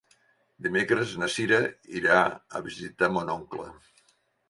Dimecres na Cira irà a visitar mon oncle.